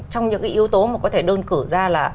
trong những cái yếu tố mà có thể đơn cử ra là